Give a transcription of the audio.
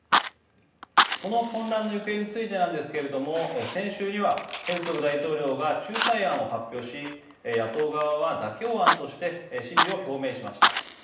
この混乱の行方についてなんですけれども先週には、ヘルツォグ大統領が仲裁案を発表し野党側は、妥協案として支持を表明しました。